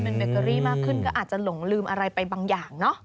เป็นเบเกอรี่มากขึ้นก็อาจจะหลงลืมอะไรไปบางอย่างเนอะ